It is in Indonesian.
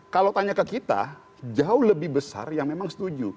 kalau tanya ke kita jauh lebih besar yang memang setuju